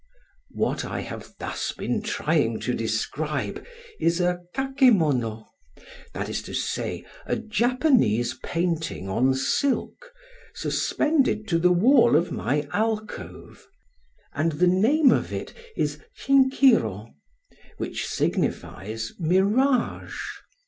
...What I have thus been trying to describe is a kakémono,—that is to say, a Japanese painting on silk, suspended to the wall of my alcove;—and the name of it is SHINKIRŌ, which signifies "Mirage."